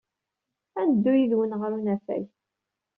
Ad neddu yid-wen ɣer unafag.